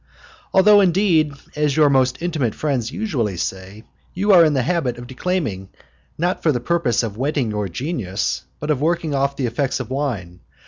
Although, indeed, (as your most intimate friends usually say,) you are in the habit of declaiming, not for the purpose of whetting your genius, but of working off the effects of wine.